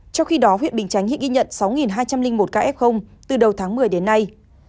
trong khi đó huyện bình chánh hiện ghi nhận sáu hai trăm linh một ca f từ đầu tháng một mươi đến nay